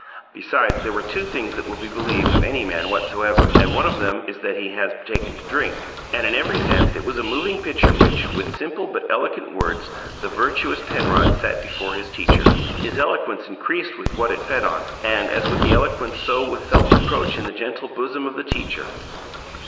Besides, there are two things that will be believed of any man whatsoever, and one of them is that he has taken to drink. And in every sense it was a moving picture which, with simple but eloquent words, the virtuous Penrod set before his teacher. His eloquence increased with what it fed on; and as with the eloquence so with self reproach in the gentle bosom of the teacher.